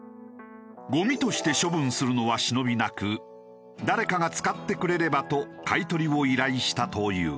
ゴミとして処分するのは忍びなく誰かが使ってくれればと買い取りを依頼したという。